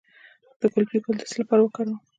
د ګلپي ګل د څه لپاره وکاروم؟